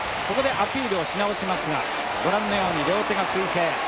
ここでアピールをし直しますがご覧のように両手が水平。